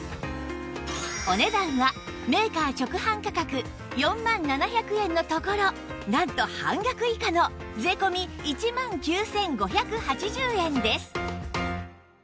お値段はメーカー直販価格４万７００円のところなんと半額以下の税込１万９５８０円です